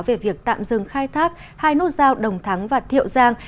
về việc tạm dừng khai thác hai nút giao đồng thắng và thiệu giang